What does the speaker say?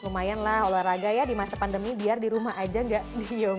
lumayanlah olahraga ya di masa pandemi biar di rumah aja gak diem